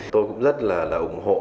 tôi cũng rất là ủng hộ